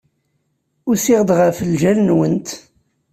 Usiɣ-d ɣef ljal-nwent.